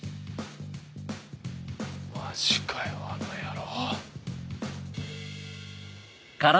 マジかよあの野郎。